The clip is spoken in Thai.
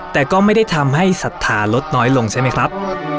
แต่ก็ไม่ได้ทำให้ศรัทธาลดน้อยลงใช่ไหมครับ